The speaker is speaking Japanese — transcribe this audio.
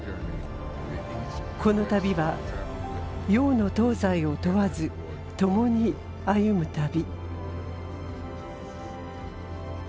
この旅は洋の東西を問わず共に歩む旅。